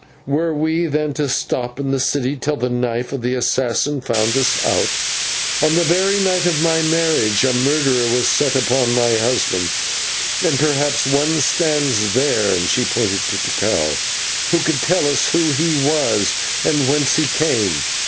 Were we, then, to stop in the city till the knife of the assassin found us out? On the very night of my marriage a murderer was set upon my husband, and perhaps one stands there" and she pointed to Tikal "who could tell us who he was and whence he came.